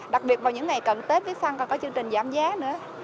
đặc biệt vào những ngày cần tết visa còn có chương trình giảm giá nữa